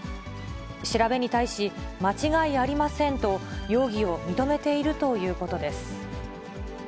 調べに対し、間違いありませんと、容疑を認めているということです。